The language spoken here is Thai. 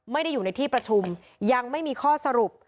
ไม่ได้อยู่ในที่ประชุมยังไม่มีข้อสรุป